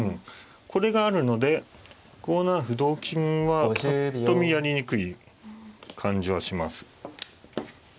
これがあるので５七歩同金はぱっと見やりにくい感じはします。